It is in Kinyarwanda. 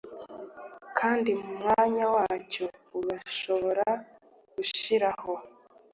Kandi mu mwanya wacyo urashobora gushiraho